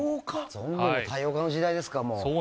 ゾンビも多様化の時代ですか。